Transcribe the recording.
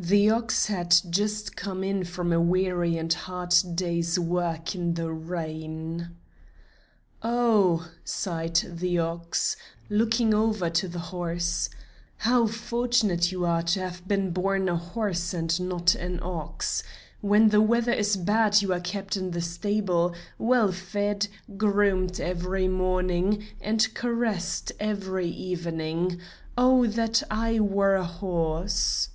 The ox had just come in from a weary and hard day's work in the rain. "Oh," sighed the ox, looking over to the horse, "how fortunate you are to have been born a horse and not an ox. When the weather is bad you are kept in the stable, well fed, groomed every morning, and caressed every evening. Oh that I were a horse!"